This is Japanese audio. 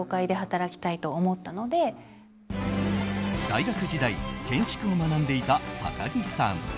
大学時代建築を学んでいた高樹さん。